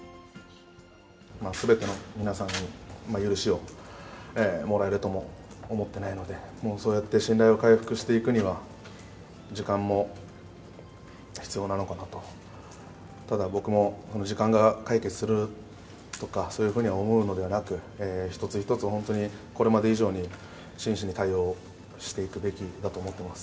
すべての皆さんに許しをもらえるとも思ってないので、もうそうやって信頼を回復していくには、時間も必要なのかなと、ただ僕も時間が解決するとか、そういうふうに思うのではなく、一つ一つ本当にこれまで以上に真摯に対応していくべきだと思ってます。